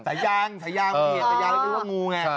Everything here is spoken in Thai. แต่ยังแต่ยังมีแต่ยังมีกระงูไง